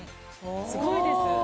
すごいです。